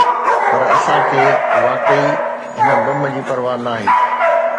پر اسان کي واقعي هن بم جي پرواهه ناهي.